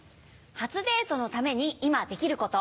初デートのために今できること。